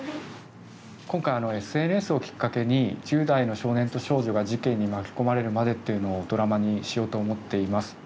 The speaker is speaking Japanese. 今回ＳＮＳをきっかけに１０代の少年と少女が事件に巻き込まれるまでっていうのをドラマにしようと思っています。